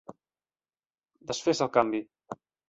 Desfés el canvi!